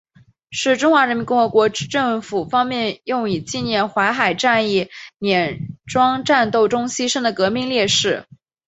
是中华人民共和国政府方面用以纪念淮海战役碾庄战斗中牺牲的革命烈士。